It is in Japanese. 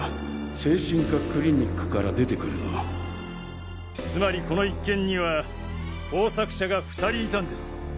精神科クリニックから出てくるのをつまりこの一件には工作者が２人いたんです。